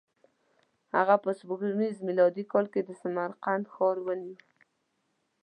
هغه په سپوږمیز میلادي کال کې د سمرقند ښار ونیو.